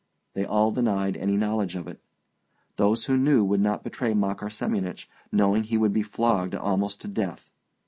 They all denied any knowledge of it. Those who knew would not betray Makar Semyonich, knowing he would be flogged almost to death.